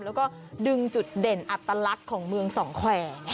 แล้วก็ดึงจุดเด่นอัตลักษณ์ของเมืองสองแขวง